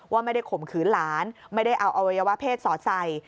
ว่าไม่ได้ข่มขืนหลานไม่ได้เอาอวัยวะเพศสอดใส่